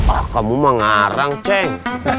ah kamu mengarang ceng